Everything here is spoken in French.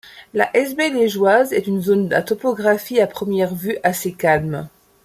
La Hesbaye liégeoise est une zone à topographie à première vue assez calme.